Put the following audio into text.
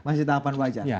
masih tahapan wajar